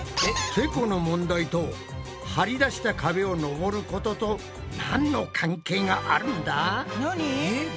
てこの問題と張り出した壁を登ることとなんの関係があるんだ？